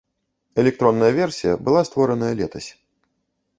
Электронная версія была створаная летась.